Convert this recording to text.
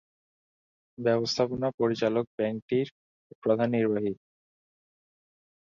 ব্যবস্থাপনা পরিচালক ব্যাংকটির প্রধান নির্বাহী।